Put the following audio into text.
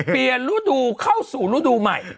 เปลี่ยนฤดูเข้าสู่ฤดูใหม่